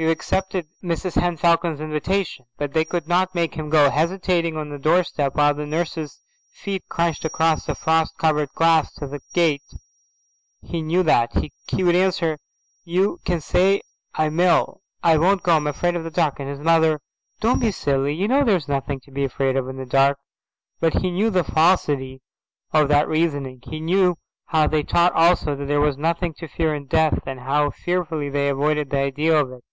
We've accepted Mrs Henne Falcon's invitation." But they couldn't make him go; hesitating on the doorstep while the nurse's feet crunched across the frost covered grass to the gate, he knew that. He would answer: "You can say I'm ill. I won't go. I'm afraid of the dark." And his mother: "Don't be silly. You know there's nothing to be afraid of in the dark." But he knew the falsity of that reasoning; he knew how they taught also that there was nothing to fear in death, and how fearfully they avoided the idea of it.